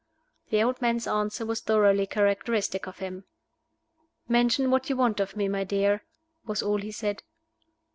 The old man's answer was thoroughly characteristic of him. "Mention what you want of me, my dear," was all he said.